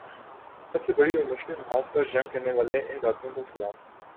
سب سے بڑی اور مشکل محاذ پر جنگ کرنے والے ان ڈاکٹروں کو سلام